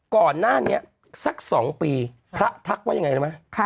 ก่อนหน้านี้สัก๒ปีพระทักว่าอย่างไรนะครับ